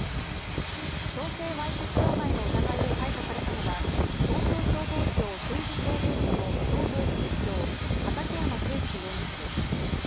強制わいせつ傷害の疑いで逮捕されたのは東京消防庁千住消防署の消防副士長・畠山圭佑容疑者です。